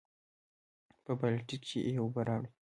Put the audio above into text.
پۀ بالټي کښې ئې اوبۀ راوړې ـ